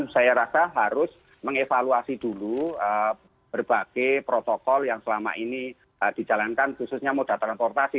saya rasa harus mengevaluasi dulu berbagai protokol yang selama ini dijalankan khususnya moda transportasi